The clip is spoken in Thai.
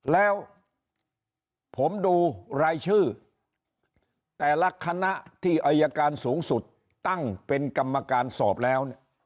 แล้วผมดูรายชื่อแต่ละคณะที่อายการสูงสุดตั้งเป็นกรรมการสอบแล้วเนี่ย